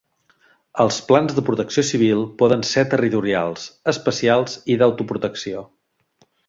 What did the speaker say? Els plans de protecció civil poden ser territorials, especials i d'autoprotecció.